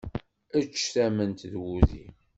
Ečč tamment d wudi!